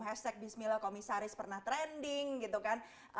hashtag bismillah komisaris pernah trending gitu kan